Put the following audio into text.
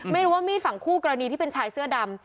ไม่รู้ว่ามีดฝั่งคู่กรณีที่เป็นชายเสื้อดำ